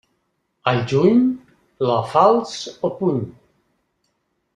Al juny, la falç al puny.